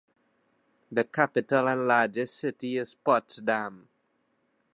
The capital and largest city is Potsdam.